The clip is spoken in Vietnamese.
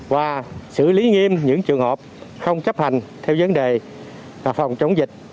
và xử lý nghiêm những trường hợp không chấp hành theo vấn đề phòng chống dịch